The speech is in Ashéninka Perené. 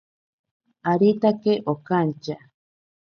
Aritake okantya.